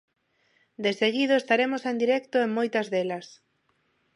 Deseguido estaremos en directo en moitas delas.